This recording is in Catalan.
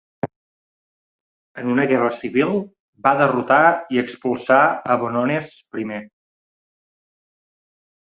En una guerra civil, va derrotar i expulsar a Vonones I.